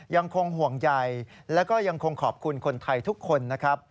ยังคงห่วงใยและก็ยังคงขอบคุณคนไทยทุกคนนะครับ